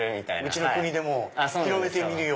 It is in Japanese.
「うちの国でも広めてみるよ」。